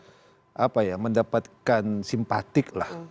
jadi ingin mungkin mendapatkan simpatik lah